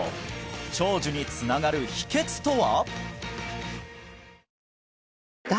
長寿につながる秘訣とは！？